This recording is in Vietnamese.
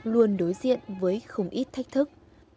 luôn đối diện với không ít thách thức